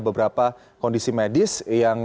beberapa kondisi medis yang